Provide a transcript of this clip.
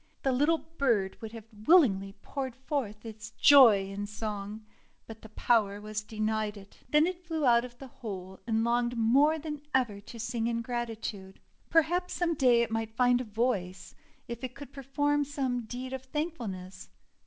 The little bird would willingly have poured forth its joy in song, but the power was denied it. Then it flew out of the hole, and longed more than ever to sing in gratitude. Perhaps some day it might find a voice, if it could perform some deed of thankfulness!